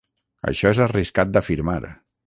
Això és arriscat d'afirmar.